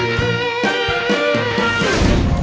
เพลงนี้สี่หมื่นบาทเอามาดูกันนะครับ